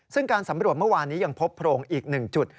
ซึ่งการสำรวจเมื่อวานนี้ยังพบโพรงอีก๑จุด